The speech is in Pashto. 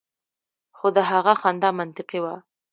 خو د هغه خندا منطقي وه